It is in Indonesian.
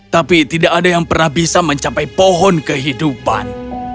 tapi tidak ada yang pernah bisa mencapai pohon kehidupan